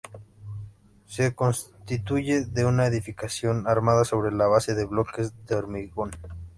Se constituye de una edificación armada sobre la base de bloques de hormigón.